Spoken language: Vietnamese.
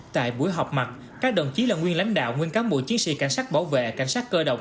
tại buổi họp mặt các đồng chí là nguyên lãnh đạo nguyên cán bộ chiến sĩ cảnh sát bảo vệ cảnh sát cơ động